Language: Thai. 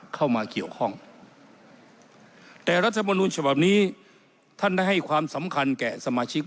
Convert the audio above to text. เข้ามาเกี่ยวข้องแต่รัฐมนุนฉบับนี้ท่านได้ให้ความสำคัญแก่สมาชิก